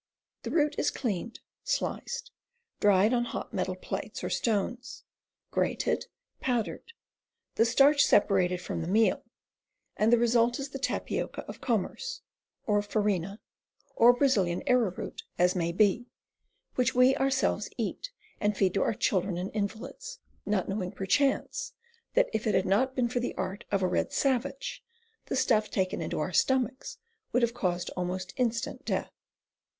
The root is cleaned, sliced, dried on hot metal plates or stones, grated, powdered, the starch separated from the meal, and the result is the tapioca of commerce, or farina, or Brazilian arrow root, as may be, which we ourselves eat, and feed to our children and invalids, not knowing, perchance, that if it had not been for the art of a red savage, the stuff taken into our stomachs would have caused almost instant death.